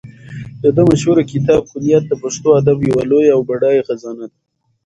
د ده مشهور کتاب کلیات د پښتو ادب یوه لویه او بډایه خزانه ده.